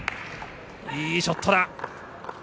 いいショットだ。